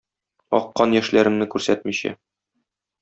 Аккан яшьләремне күрсәтмичә